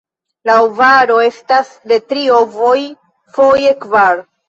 La ovaro estas de tri ovoj, foje kvar.